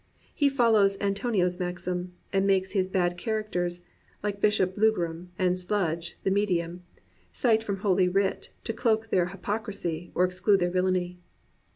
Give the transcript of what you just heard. He follows Antonio's maxim, and makes his bad characters, Uke Bishop Blougram and Sludge the Medium, cite from Holy Writ to cloak their hy pocrisy or excuse their villainy.